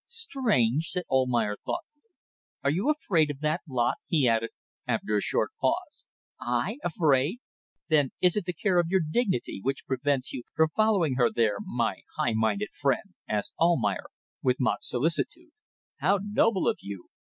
Strange," said Almayer, thoughtfully. "Are you afraid of that lot?" he added, after a short pause. "I afraid!" "Then is it the care of your dignity which prevents you from following her there, my high minded friend?" asked Almayer, with mock solicitude. "How noble of you!"